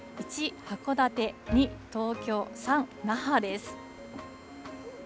１、函館、２、東京、３、那覇です。